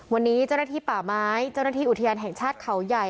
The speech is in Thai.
วันนี้เจ้าหน้าที่ป่าไม้เจ้าหน้าที่อุทยานแห่งชาติเขาใหญ่